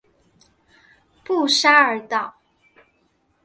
布沙尔岛。